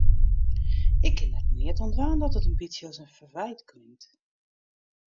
Ik kin der neat oan dwaan dat it in bytsje as in ferwyt klinkt.